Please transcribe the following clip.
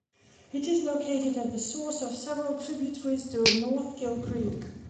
It is located at the source of several tributaries to Northkill Creek.